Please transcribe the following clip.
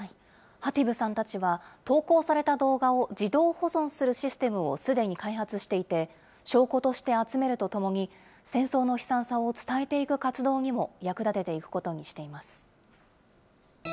ハティブさんたちは、投稿された動画を自動保存するシステムをすでに開発していて、証拠として集めるとともに、戦争の悲惨さを伝えていく活動にも役立てていくことにしています。